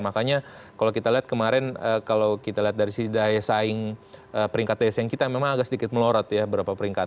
makanya kalau kita lihat kemarin kalau kita lihat dari sisi daya saing peringkat daya saing kita memang agak sedikit melorot ya berapa peringkat